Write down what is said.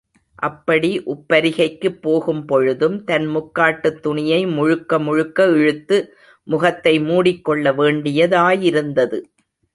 அப்படி உப்பரிகைக்குப் போகும் பொழுதும், தன் முக்காட்டுத் துணியை முழுக்க முழுக்க இழுத்து முகத்தை முடிக்கொள்ள வேண்டியதாயிருந்தது.